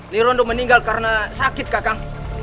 nirondo meninggal karena sakit kakak